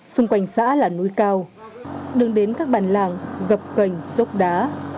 xung quanh xã là núi cao đường đến các bàn làng gập gành xốp đá